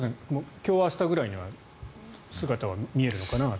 今日明日くらいには姿は見えるのかなと。